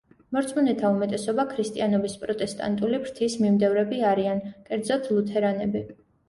მორწმუნეთა უმეტესობა ქრისტიანობის პროტესტანტული ფრთის მიმდევრები არიან, კერძოდ ლუთერანები.